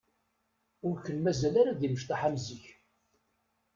Ur ken-mazal ara d imecṭaḥ am zik.